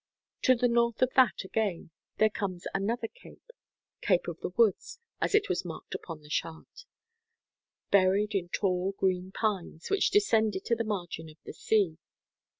To the north of that, again, there comes another cape—Cape of the Woods, as it was marked upon the chart—buried in tall green pines, which descended to the margin of the sea.